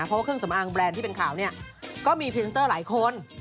เพราะว่าเครื่องสำอางแบรนด์ที่เป็นข่าวเนี่ยก็มีพรีเซนเตอร์หลายคน